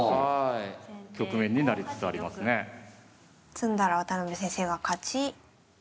詰んだら渡辺先生が勝ち。